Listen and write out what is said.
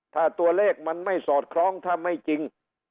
ถ้าตัวเลขมันไม่สอดคล้องถ้าไม่จริง